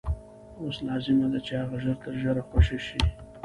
اوس لازمه ده چې هغه ژر تر ژره خوشي شي.